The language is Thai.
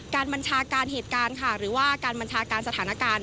บัญชาการเหตุการณ์ค่ะหรือว่าการบัญชาการสถานการณ์